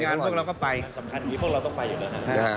สำคัญที่พวกเราต้องไปอยู่แล้วนะฮะ